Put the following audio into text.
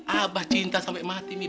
abah cinta sampe mati mie